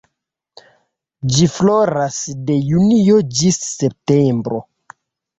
Ĝi floras de junio ĝis septembro.